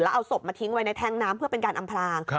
เอาศพมาทิ้งไว้ในแท้งน้ำเพื่อเป็นการอำพลาง